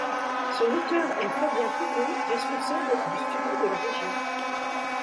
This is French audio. Son auteur est Fabien Picot, responsable du studio de la Région.